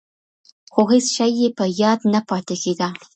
خو هېڅ شی یې په یاد نه پاتې کېده.